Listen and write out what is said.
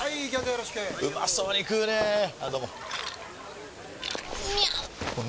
よろしくうまそうに食うねぇあどうもみゃう！！